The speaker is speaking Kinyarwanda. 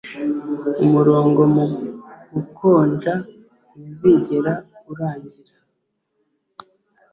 umurongo mugukonja ntuzigera urangira